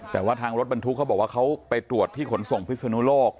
แต่ว่าทางรถบรรทุกเขาบอกว่าเขาไปตรวจที่ขนส่งพิศนุโลก